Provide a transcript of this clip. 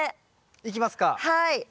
いきますか。